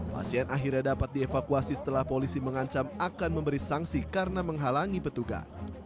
pasien akhirnya dapat dievakuasi setelah polisi mengancam akan memberi sanksi karena menghalangi petugas